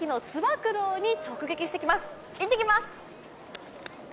行ってきます！